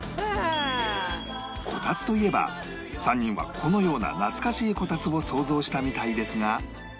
こたつといえば３人はこのような懐かしいこたつを想像したみたいですが